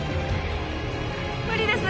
無理です！